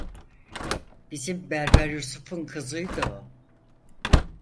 Bizim berber Yusuf'un kızıydı o!